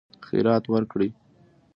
خیرات ورکړي.